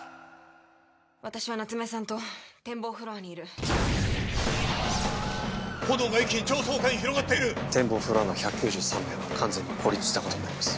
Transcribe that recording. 私は夏梅さんと展望フロアにいる炎が一気に上層階に広がっている展望フロアの１９３名は完全に孤立したことになります